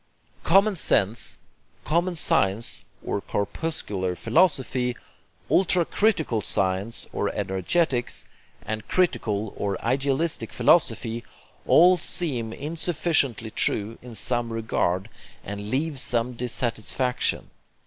Common sense, common science or corpuscular philosophy, ultra critical science, or energetics, and critical or idealistic philosophy, all seem insufficiently true in some regard and leave some dissatisfaction.